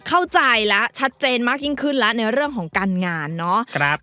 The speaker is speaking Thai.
เข้าใจแล้วชัดเจนมากยิ่งขึ้นแล้วในเรื่องของการงานเนาะ